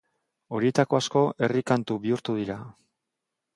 Horietako asko herri-kantu bihurtu dira.